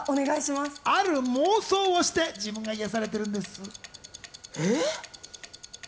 ある妄想をして自分が癒されているんです。